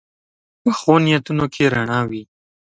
پخو نیتونو کې رڼا وي